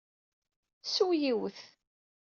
Ssweɣ yiwet.